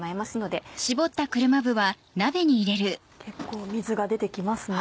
結構水が出て来ますね。